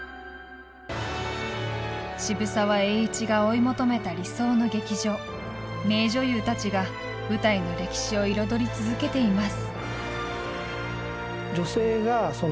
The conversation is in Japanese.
渋沢栄一が追い求めた理想の劇場名女優たちが舞台の歴史を彩り続けています。